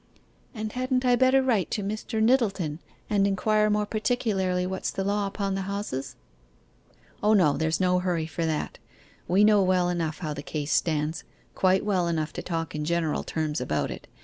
'And hadn't I better write to Mr. Nyttleton, and inquire more particularly what's the law upon the houses?' 'O no, there's no hurry for that. We know well enough how the case stands quite well enough to talk in general terms about it.